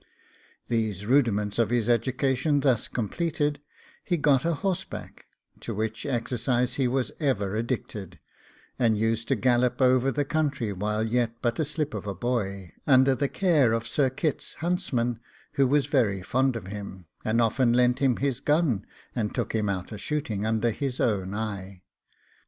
These rudiments of his education thus completed, he got a horseback, to which exercise he was ever addicted, and used to gallop over the country while yet but a slip of a boy, under the care of Sir Kit's huntsman, who was very fond of him, and often lent him his gun, and took him out a shooting under his own eye.